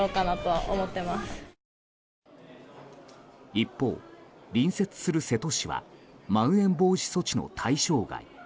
一方、隣接する瀬戸市はまん延防止措置の対象外。